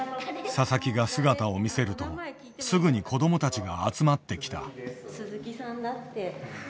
佐々木が姿を見せるとすぐに子どもたちが集まってきた。